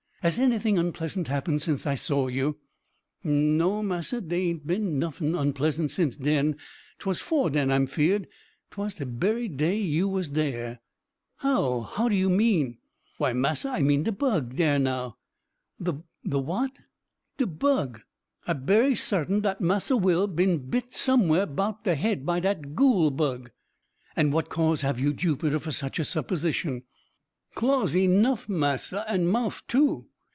Has anything unpleasant happened since I saw you?" "No, massa, dey aint bin noffin onpleasant since den 'twas 'fore den I'm feared 'twas de berry day you was dare." "How? what do you mean?" "Why, massa, I mean de bug dare now." "The what?" "De bug I'm berry sartin dat Massa Will bin bit somewhere 'bout de head by dat goole bug." "And what cause have you, Jupiter, for such a supposition?" "Claws enuff, massa, and mouff, too.